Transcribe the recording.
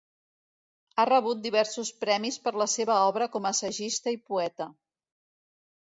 Ha rebut diversos premis per la seva obra com a assagista i poeta.